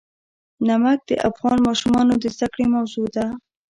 نمک د افغان ماشومانو د زده کړې موضوع ده.